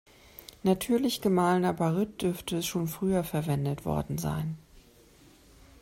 Natürlicher gemahlener Baryt dürfte schon früher verwendet worden sein.